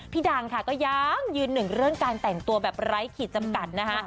ดังค่ะก็ยังยืนหนึ่งเรื่องการแต่งตัวแบบไร้ขีดจำกัดนะคะ